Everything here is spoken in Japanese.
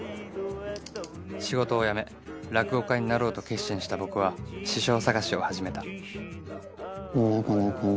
仕事を辞め落語家になろうと決心した僕は師匠探しを始めた